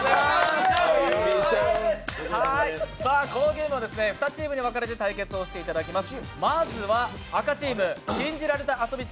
このゲームは２チームに分かれて対決していただきます。